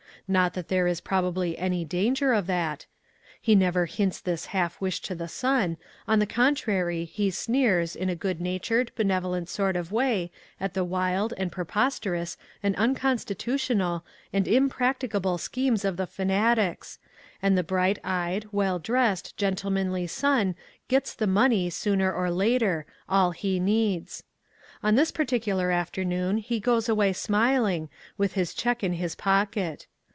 Not that there is probably any danger of that. He never hints this half wish to t;he son; on the contrary, he sneers, in a good natured, benevolent sort of way at the wild, and preposterous, and unconstitutional, and impracticable schemes of the fanatics, and the bright eyed, well dressed, gentlemanly son gets the mone}1 , sooner or later, all he needs. On this par ticular afternoon he goes away smiling, with his check in his pocket.